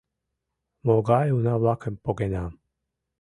Могай уна-влакым погенам!